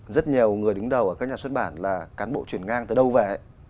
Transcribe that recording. rất nhiều người đứng đầu ở các nhà xuất bản là cán bộ chuyển ngang từ đâu về